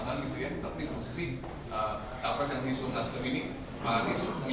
tapi posisi capres yang menimbulkan nasdem ini